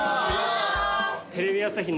テレビ朝日